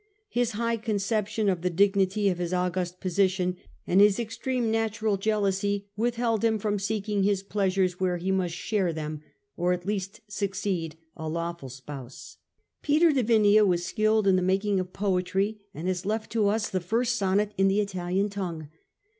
His high conception of the dignity of his august position and his extreme THE YEARS OF SOLACE 121 natural jealousy withheld him from seeking his pleasures where he must share with, or at least succeed, a lawful spouse. Peter de Vinea was skilled in the making of poetry, and has left to us the first sonnet in the Italian tongue.